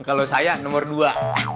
kalau saya nomor dua